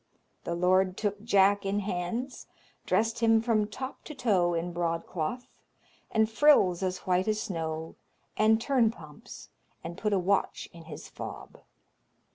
The lord took Jack in hands, dressed him from top to toe in broadcloth, and frills as white as snow, and turnpumps, and put a watch in his fob.